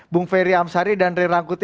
bung ferry amsari dan rirang kuti